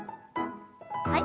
はい。